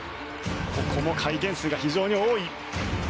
ここも回転数が非常に多い。